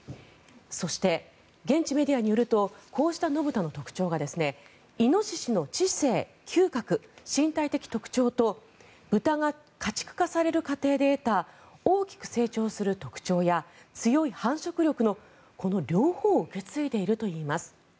そして、現地メディアによるとこうした野豚の特徴がイノシシの知性、嗅覚、身体的特徴と豚が家畜化される過程で得た大きく成長する特徴や強い繁殖力のこの両方を受け継いでいるといいます。